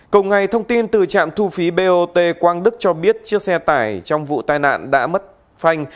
cộng ngày thông tin từ trạm thu phí bot quang đức cho biết chiếc xe tải trong vụ tai nạn đã mất phanh